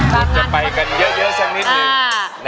คุณจะไปกันเยอะเยอะแสงนิดหนึ่ง